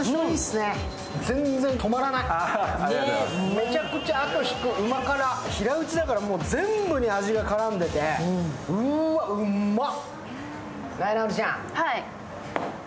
めちゃくちゃあと引く、旨辛平打ちだから全部に味が絡んでて、うまっ。